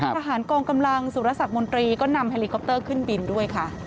ทหารกองกำลังสุรสักมนตรีก็นำเฮลิคอปเตอร์ขึ้นบินด้วยค่ะ